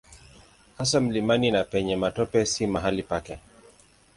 Hasa mlimani na penye matope si mahali pake.